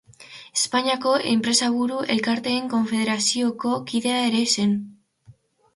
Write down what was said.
Espainiako Enpresaburu Elkarteen Konfederazioko kidea ere zen.